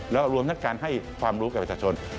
และรวมทัดการณ์ให้ความรู้แก่ประชาชน